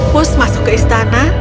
pus masuk ke istana